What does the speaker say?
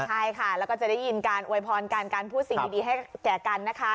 ใช่ค่ะแล้วก็จะได้ยินการอวยพรกันการพูดสิ่งดีให้แก่กันนะคะ